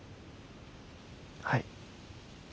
はい。